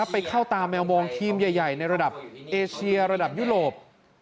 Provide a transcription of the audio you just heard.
ไปเข้าตาแมวมองทีมใหญ่ในระดับเอเชียระดับยุโรป